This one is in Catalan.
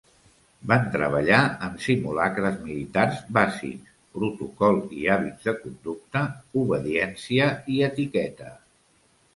Van treballar en simulacres militars bàsics, protocol i hàbits de conducta, obediència i etiqueta.